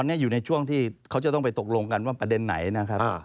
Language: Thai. อันนี้อยู่ในช่วงที่เขาจะต้องไปตกลงกันว่าประเด็นไหนนะครับ